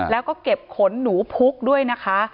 แล้วก็เก็บขนหนูพุกด้วยนะคะ